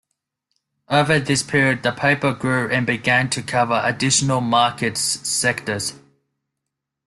Over this period the paper grew and began to cover additional market sectors.